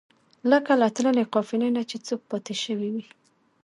لکه له تللې قافلې نه چې څوک پاتې شوی وي.